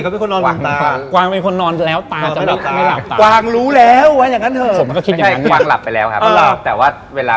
ปกติก็เป็นคนนอนป่ะ